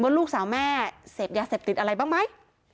ลูกสาวแม่เสพยาเสพติดอะไรบ้างไหม